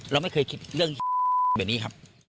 เราไม่เคยคิดเรื่องแบบนี้ครับ